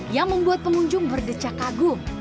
yang membuat pengunjung berdecak kagum